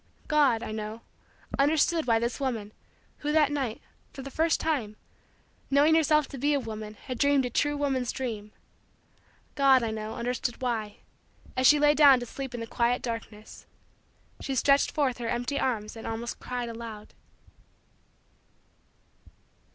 God, I know, understood why this woman, who that night, for the first time, knowing herself to be a woman had dreamed a true woman's dream God, I know, understood why, as she lay down to sleep in the quiet darkness, she stretched forth her empty arms and almost cried aloud.